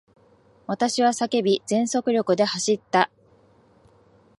私は叫び、全速力で走った。